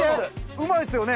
うまいっすよね？